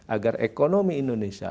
agar ekonomi indonesia